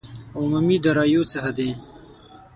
عمومي داراییو څخه دي.